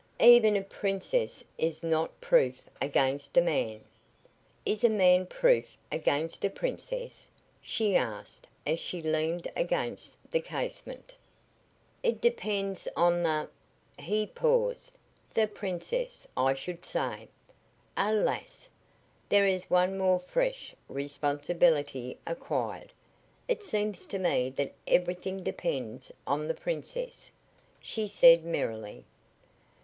Even a princess is not proof against a man." "Is a man proof against a princess?" she asked, as she leaned against the casement. "It depends on the" he paused "the princess, I should say." "Alas! There is one more fresh responsibility acquired. It seems to me that everything depends on the princess," she said, merrily.